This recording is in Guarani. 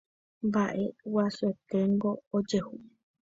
Mba'e guasueténgo ojehu